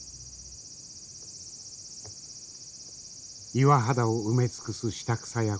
岩肌を埋め尽くす下草やこけ。